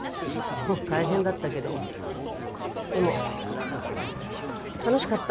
もう大変だったけどでも楽しかった。